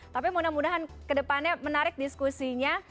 tapi mudah mudahan kedepannya menarik diskusinya